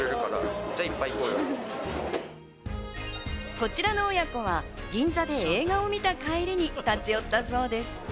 こちらの親子は銀座で映画を見た帰りに立ち寄ったそうです。